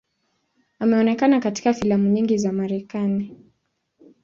Ameonekana katika filamu nyingi za Marekani.